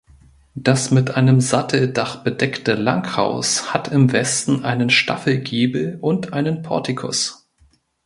Das mit einem Satteldach bedeckte Langhaus hat im Westen einen Staffelgiebel und einen Portikus.